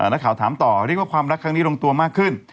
นักข่าวถามต่อเรียกว่าความรักครั้งนี้ลงตัวมากขึ้น